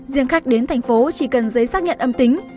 riêng khách đến tp hcm chỉ cần giấy xác nhận âm tính